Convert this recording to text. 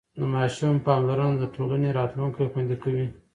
د ماشوم پاملرنه د ټولنې راتلونکی خوندي کوي.